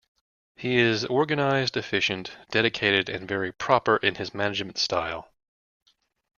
He is organized, efficient, dedicated, and very proper in his management style.